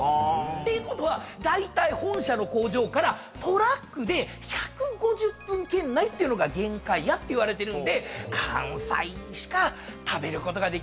ていうことはだいたい本社の工場からトラックで１５０分圏内っていうのが限界やっていわれてるんで関西でしか食べることができないわけなんですよね。